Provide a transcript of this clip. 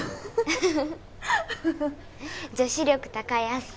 フフフ女子力高い明日香